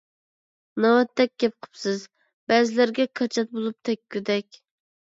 ناۋاتتەك گەپ قىپسىز، بەزىلەرگە كاچات بولۇپ تەگكۈدەك!